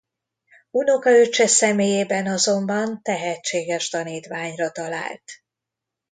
Unokaöccse személyében azonban tehetséges tanítványra talált.